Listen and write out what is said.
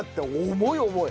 重い重い！